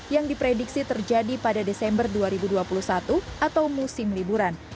yang diprediksi terjadi pada desember dua ribu dua puluh satu atau musim liburan